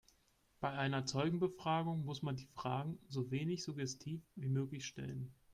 Bei einer Zeugenbefragung muss man die Fragen so wenig suggestiv wie möglich stellen.